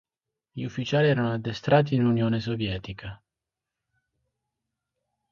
Gli ufficiali erano addestrati in Unione Sovietica.